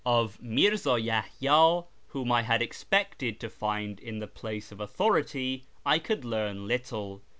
Of Mirza Yahya, whom I had expected to find in the place of authority, I could learn little.